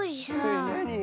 なに？